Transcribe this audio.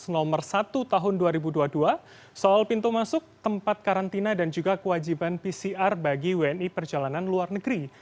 nomor satu tahun dua ribu dua puluh dua soal pintu masuk tempat karantina dan juga kewajiban pcr bagi wni perjalanan luar negeri